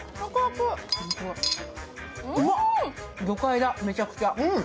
魚介だ、めちゃくちゃ。